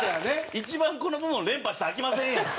一番、この部門、連覇したらあきませんやん。